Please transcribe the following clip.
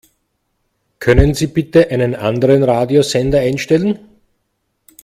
Können Sie bitte einen anderen Radiosender einstellen?